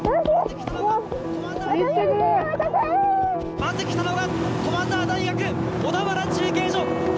まず来たのが駒澤大学、小田原中継所！